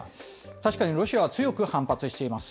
確かにロシアは強く反発しています。